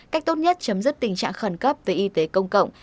cách tốt nhất chấm dứt tình trạng khẩn cấp về y tế công cộng